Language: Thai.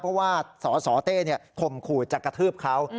เพราะว่าสสเต้ข่มขู่จะกระทืบเขา